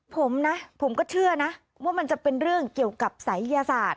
ผมนะผมก็เชื่อนะว่ามันจะเป็นเรื่องเกี่ยวกับศัยยศาสตร์